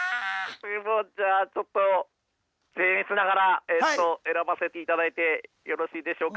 じゃあちょっとせん越ながら選ばせていただいてよろしいでしょうか。